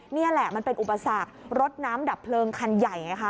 นี่แหละมันเป็นอุปสรรครถน้ำดับเพลิงคันใหญ่ไงคะ